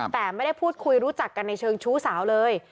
แต่ไม่ได้พูดคุยรู้จักกันในเชิงชู้สาวเลย